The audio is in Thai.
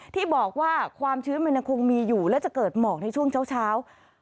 ที่บอกว่าความชื้นมันยังคงมีอยู่และจะเกิดหมอกในช่วงเช้า